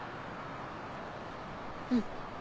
うん。